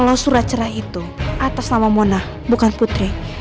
kalau surat cerah itu atas nama mona bukan putri